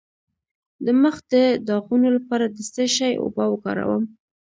د مخ د داغونو لپاره د څه شي اوبه وکاروم؟